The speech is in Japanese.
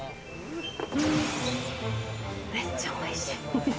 めっちゃおいしい！